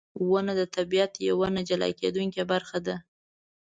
• ونه د طبیعت یوه نه جلا کېدونکې برخه ده.